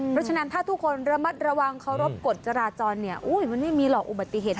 เพราะฉะนั้นถ้าทุกคนระมัดระวังเคารพกฎจราจรเนี่ยมันไม่มีหรอกอุบัติเหตุ